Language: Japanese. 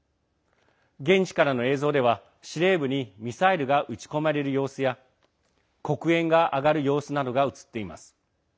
現地からの映像では司令部にミサイルが撃ち込まれる様子や黒煙が上がる様子などが映っています。